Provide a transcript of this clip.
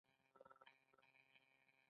د کابل په ده سبز کې د څه شي نښې دي؟